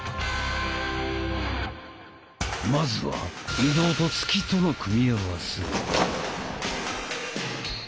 まずは移動と突きとの組み合わせ。